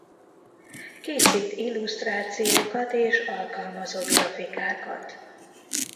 Készít illusztrációkat és alkalmazott grafikákat.